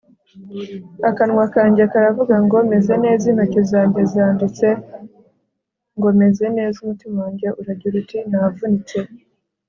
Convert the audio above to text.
akanwa kanjye karavuga ngo meze neza intoki zanjye zanditse ngo meze neza umutima wanjye uragira uti navunitse